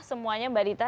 semuanya mbak dita